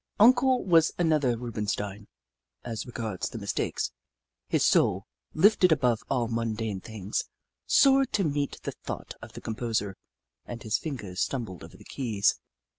Uncle was another Rubenstein, as regards the mistakes. His soul, lifted above all mun dane things, soared to meet the thought of the composer, and his fingers stumbled over the keys.